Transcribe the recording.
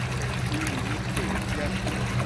Chu nibëdquiec ictisash